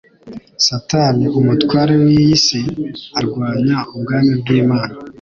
satani umutware w' iyi si arwanya ubwami bw'imana